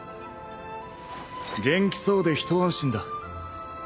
元気そうで一安心だ。